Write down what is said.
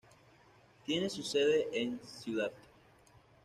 Tiene su sede en Cd.